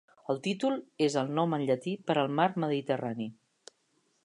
El títol és el nom en llatí per al Mar Mediterrani.